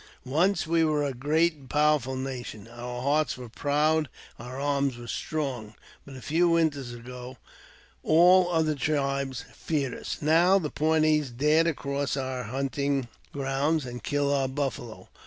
"Once we were a great and powerful nation: our hearts were proud, and our arms were strong. But a few winters ago all other tribes feared us ; now the Pawnees dare to cross our hunting grounds, and kill our buffalo.